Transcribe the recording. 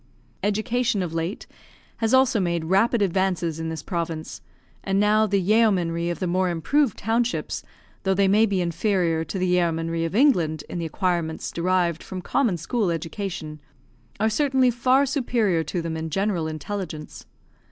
Education, of late, has also made rapid advances in this province; and now, the yeomanry of the more improved townships, though they may be inferior to the yeomanry of England in the acquirements derived from common school education, are certainly far superior to them in general intelligence.